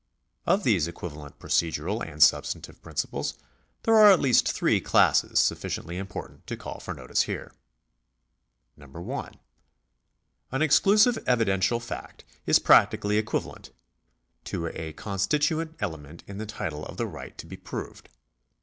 Of these equivalent procedural and substantive principles there are at least three classes sufficiently important to call for notice here. 1. An exclusive evidential fact is practically equivalent to a constituent element in the title of the right to be proved.